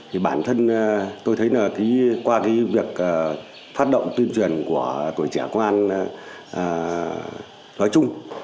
thì bản thân tôi thấy là qua việc phát động tuyên truyền của tuổi trẻ quan nói chung